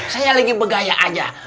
saya lagi bergaya aja